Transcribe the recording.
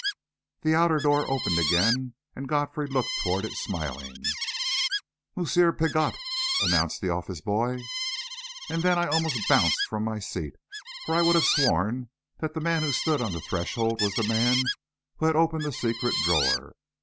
The outer door opened again, and Godfrey looked toward it, smiling. "Moosseer Piggott!" announced the office boy. And then I almost bounced from my seat, for I would have sworn that the man who stood on the threshold was the man who had opened the secret drawer.